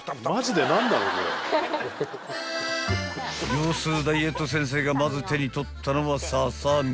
［業スーダイエット先生がまず手に取ったのはささみ］